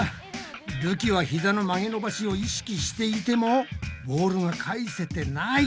るきはひざの曲げ伸ばしを意識していてもボールが返せてない！